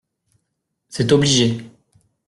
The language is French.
C’est obligé.